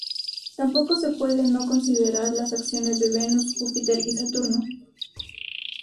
Tampoco se pueden no considerar las acciones de Venus, Júpiter y Saturno.